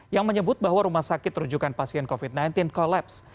yang menyebut bahwa rumah sakit rujukan pasien covid sembilan belas kolaps